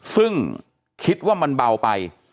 ซึ่งคิดว่ามันเบาไป